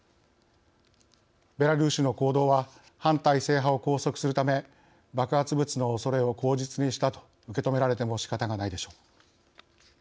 ベラルーシの行動は反体制派を拘束するため爆発物のおそれを口実にしたと受け止められてもしかたがないでしょう。